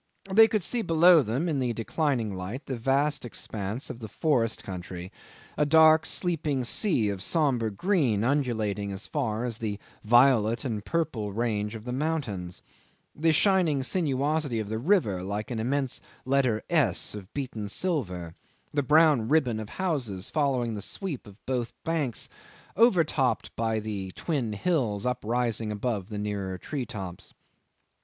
They could see below them in the declining light the vast expanse of the forest country, a dark sleeping sea of sombre green undulating as far as the violet and purple range of mountains; the shining sinuosity of the river like an immense letter S of beaten silver; the brown ribbon of houses following the sweep of both banks, overtopped by the twin hills uprising above the nearer tree tops.